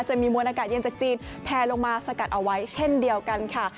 มวลอากาศเย็นจากจีนแพลลงมาสกัดเอาไว้เช่นเดียวกันค่ะ